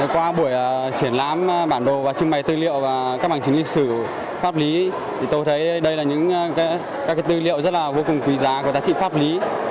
triển lãm bản đồ và trưng bày tư liệu và các bằng chứng lý xử pháp lý tôi thấy đây là những tư liệu rất là vô cùng quý giá của tác trị pháp lý